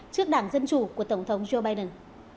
trước đảng dân chủ của tổng thống joe biden